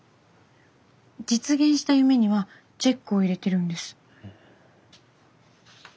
実現した夢にはチェックを入れてるんです。